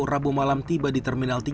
rabu malam tiba di terminal tiga